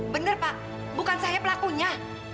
benar pak bukan saya pelakunya